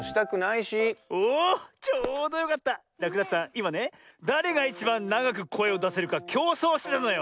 いまねだれがいちばんながくこえをだせるかきょうそうしてたのよ。